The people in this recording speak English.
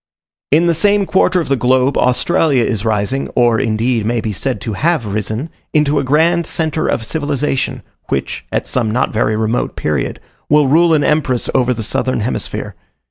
In the same quarter of the globe Australia is rising, or indeed may be said to have risen, into a grand centre of civilization, which, at some not very remote period, will rule as empress over the southern hemisphere.